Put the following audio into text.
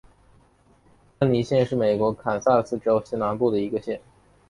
芬尼县是美国堪萨斯州西南部的一个县。